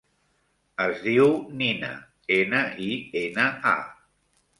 Es diu Nina: ena, i, ena, a.